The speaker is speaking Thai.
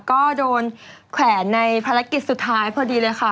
ก็โดนแขวนในภารกิจสุดท้ายพอดีเลยค่ะ